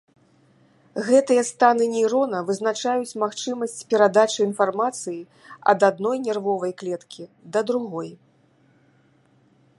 Гэтыя станы нейрона вызначаюць магчымасць перадачы інфармацыі ад адной нервовай клеткі да другой.